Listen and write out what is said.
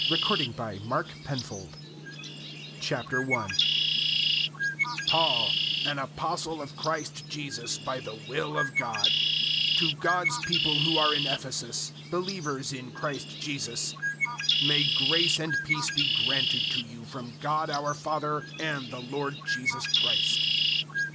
F. Weymouth Book 49 Ephesians 001:001 Paul, an Apostle of Christ Jesus by the will of God: To God's people who are in Ephesus believers in Christ Jesus. 001:002 May grace and peace be granted to you from God our Father and the Lord Jesus Christ.